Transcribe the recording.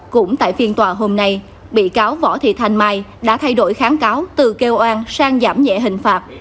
cũng tại phiên tòa hôm nay bị cáo võ thị thanh mai đã thay đổi kháng cáo từ kêu oan sang giảm nhẹ hình phạt